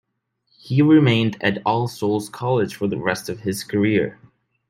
He remained at All Souls College for the rest of his career.